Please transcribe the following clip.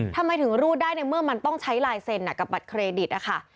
ทำไมถึงรูดได้ในเมื่อมันต้องใช้ลายเซ็นกับบัตรเครดิตนะคะ